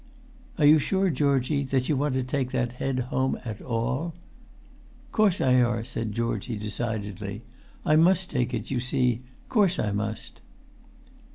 "Are you sure, Georgie, that you want to take that head home at all?" "Course I are," said Georgie, decidedly. "I must take it, you see; course I must."